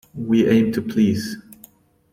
We aim to please